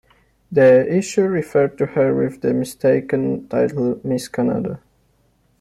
The issue referred to her with the mistaken title "Miss Canada".